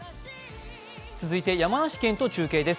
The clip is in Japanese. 続いて山梨県と中継です。